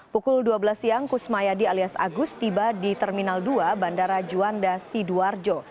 pukul dua belas siang kusmayadi alias agus tiba di terminal dua bandara juanda sidoarjo